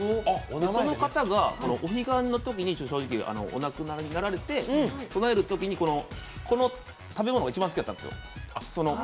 その方が、お彼岸のときにお亡くなりになられて供えるときに、この食べ物が一番好きだったんです、その形。